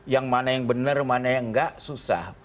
yang mana yang bener yang mana yang gak susah